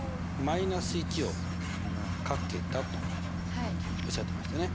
−１をかけたとおっしゃってましたね。